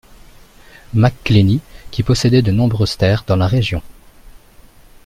Macclenny, qui possédait de nombreuses terres dans la région.